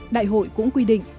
đại hội cũng quy định